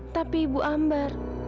tapi bu ambar